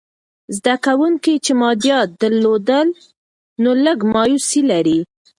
زده کوونکي چې مادیات درلودل، نو لږ مایوسې لري.